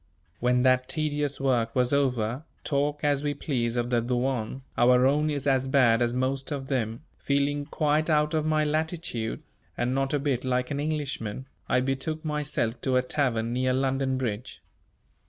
When that tedious work was over talk as we please of the douane, our own is as bad as most of them feeling quite out of my latitude, and not a bit like an Englishman, I betook myself to a tavern near London Bridge.